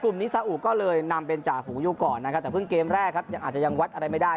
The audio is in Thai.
นิสาอุก็เลยนำเป็นจ่าฝูงอยู่ก่อนนะครับแต่เพิ่งเกมแรกครับยังอาจจะยังวัดอะไรไม่ได้